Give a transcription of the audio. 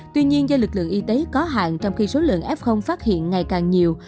tuy nhiên do lực lượng y tế có hàng trong khi số lượng f phát hiện ngày càng nhiều